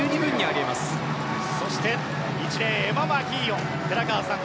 そして１レーンエマ・マキーオン、寺川さん